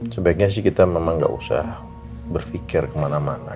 sebaiknya sih kita memang nggak usah berfikir kemana mana